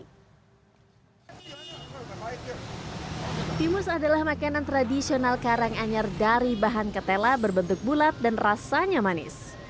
timus adalah makanan tradisional karanganyar dari bahan ketela berbentuk bulat dan rasanya manis